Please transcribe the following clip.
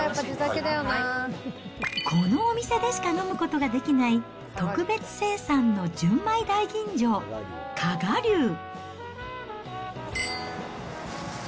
このお店でしか飲むことができない特別生産の純米大吟醸、加賀龍。